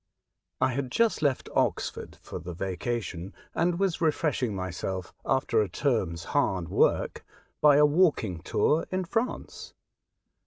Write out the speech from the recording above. I had just left Oxford for the vacation, and was refreshing myself, after a term's hard work, by a walking tour in France.